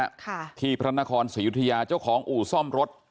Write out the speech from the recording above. ค่ะที่พระนครศรียุธยาเจ้าของอู่ซ่อมรถ